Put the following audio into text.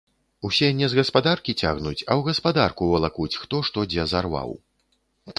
Усе не з гаспадаркі цягнуць, а ў гаспадарку валакуць хто што дзе зарваў.